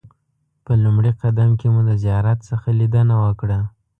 په لومړي قدم کې مو د زیارت څخه لیدنه وکړه.